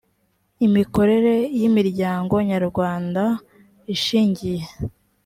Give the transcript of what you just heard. imikorere y imiryango nyarwanda ishingiye